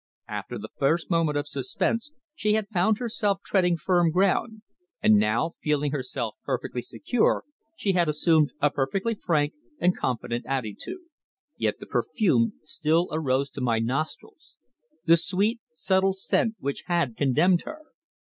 After the first moment of suspense she had found herself treading firm ground, and now, feeling herself perfectly secure, she had assumed a perfectly frank and confident attitude. Yet the perfume still arose to my nostrils the sweet, subtle scent which had condemned her.